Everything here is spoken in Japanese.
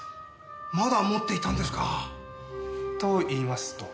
まだ持っていたんですか！と言いますと？